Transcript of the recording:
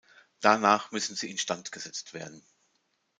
Danach müssen sie instand gesetzt werden.